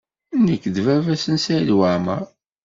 Nekk d baba-s n Saɛid Waɛmaṛ.